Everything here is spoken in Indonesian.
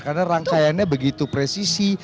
karena rangkaiannya begitu presisi